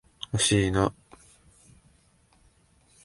惜しいな。